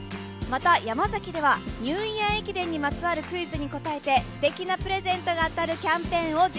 また山崎ではニューイヤー駅伝にまつわるクイズに答えてすてきなプレゼントが当たります。